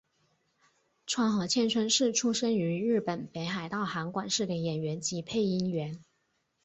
川合千春是出身于日本北海道函馆市的演员及配音员。